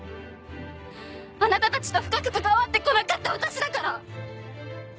あなたたちと深く関わってこなかった私だから。